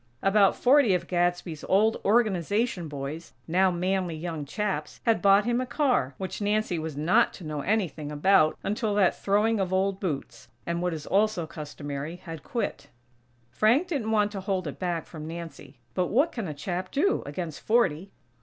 About forty of Gadsby's old Organization boys, now manly young chaps, had bought him a car, which Nancy was not to know anything about until that throwing of old boots, and what is also customary, had quit. Frank didn't want to hold it back from Nancy, but what can a chap do, against forty?